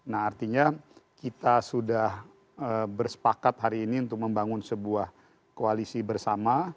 nah artinya kita sudah bersepakat hari ini untuk membangun sebuah koalisi bersama